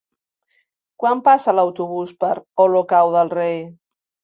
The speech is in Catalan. Quan passa l'autobús per Olocau del Rei?